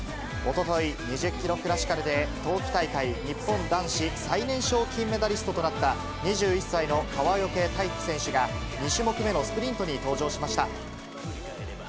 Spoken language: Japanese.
おととい、２０キロクラシカルで、冬季大会日本男子最年少金メダリストとなった、２１歳の川除大輝選手が、２種目目のスプリントに登場しました。